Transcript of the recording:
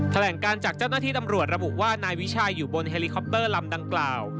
แถลงการจากเจ้าหน้าที่ตำรวจระบุว่านายวิชัยอยู่บนเฮลิคอปเตอร์ลำดังกล่าว